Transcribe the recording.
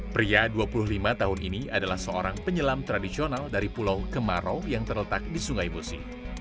pria dua puluh lima tahun ini adalah seorang penyelam tradisional dari pulau kemarau yang terletak di sungai musi